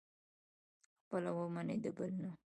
خپله ومني، د بل نه.